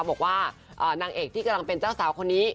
บอกว่านางเอกที่กำลังเป็นเจ้าสาวคนนี้